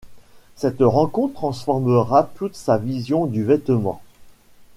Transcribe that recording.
Cette rencontre transformera toute sa vision du vêtement.